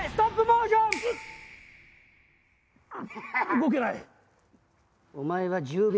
動けない！